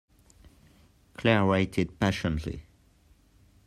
Claire waited patiently.